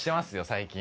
最近。